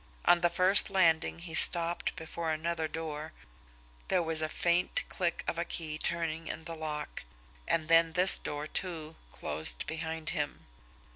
On the first landing he stopped before another door, there was the faint click of a key turning in the lock; and then this door, too, closed behind him.